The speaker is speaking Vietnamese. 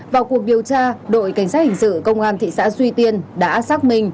vào cuộc điều tra đội cảnh sát hình sự công an thị xã duy tiên đã xác minh